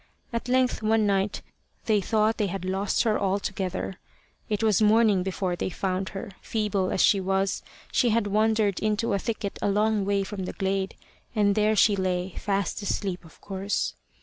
At length one night they thought they had lost her altogether. It was morning before they found her. Feeble as she was, she had wandered into a thicket a long way from the glade, and there she lay fast asleep, of course.